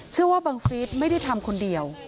เชื่อว่าบังฟิศไม่ได้ทำคนเดียว